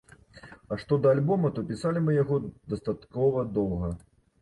А што да альбома, то пісалі мы яго дастаткова доўга.